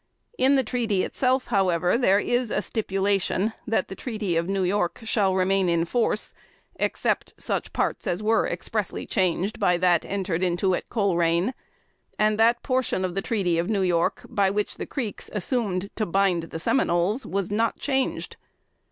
In the treaty itself, however, there is a stipulation that the treaty of New York shall remain in force, except such parts as were expressly changed by that entered into at Colerain; and that portion of the treaty of New York by which the Creeks assumed to bind the Seminoles, was not changed.